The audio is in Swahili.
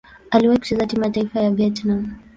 Aliwahi kucheza timu ya taifa ya Vietnam.